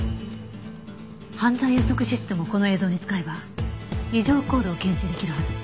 犯罪予測システムをこの映像に使えば異常行動を検知できるはず。